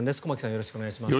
よろしくお願いします。